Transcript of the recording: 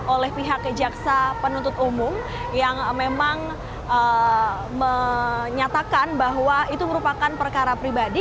oleh pihak jaksa penuntut umum yang memang menyatakan bahwa itu merupakan perkara pribadi